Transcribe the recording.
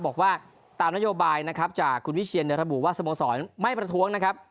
บอกว่าตามนโยบายนะครับจากคุณวิเชียนระบุว่าสโมสรไม่ประท้วงนะครับ